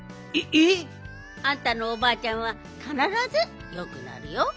えっ！？あんたのおばあちゃんはかならずよくなるよ。